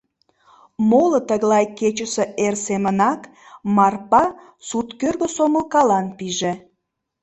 Моло тыглай кечысе эр семынак, Марпа сурткӧргӧ сомылкалан пиже.